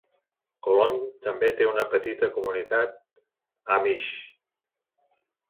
Colon també té una petita comunitat Amish.